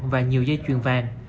và nhiều dây chuyền vàng